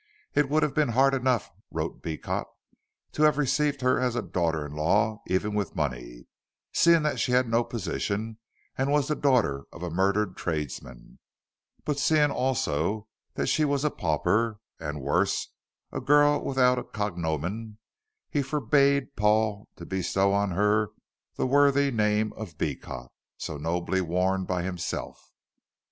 It would have been hard enough, wrote Beecot, to have received her as a daughter in law even with money, seeing that she had no position and was the daughter of a murdered tradesman, but seeing also that she was a pauper, and worse, a girl without a cognomen, he forbade Paul to bestow on her the worthy name of Beecot, so nobly worn by himself.